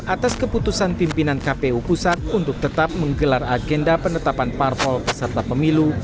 atas keputusan pimpinan kpu pusat untuk tetap menggelar agenda penetapan parpol peserta pemilu